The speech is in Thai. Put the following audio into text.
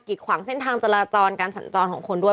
ขวางเส้นทางจราจรการสัญจรของคนด้วย